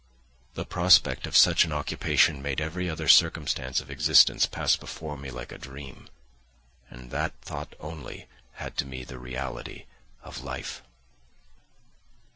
The prospect of such an occupation made every other circumstance of existence pass before me like a dream, and that thought only had to me the reality of life.